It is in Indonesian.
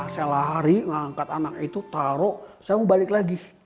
saya lari ngangkat anak itu taruh saya mau balik lagi